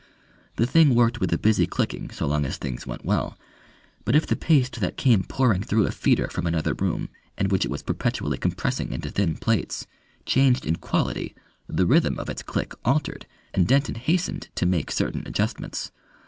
The thing worked with a busy clicking so long as things went well; but if the paste that came pouring through a feeder from another room and which it was perpetually compressing into thin plates, changed in quality the rhythm of its click altered and Denton hastened to make certain adjustments.